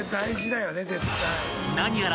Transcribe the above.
［何やら］